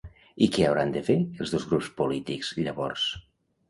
I què hauran de fer els dos grups polítics, llavors?